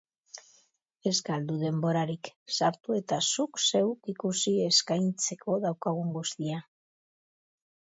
Ez galdu denborarik, sartu eta zuk zeuk ikusi eskaintzeko daukagun guztia.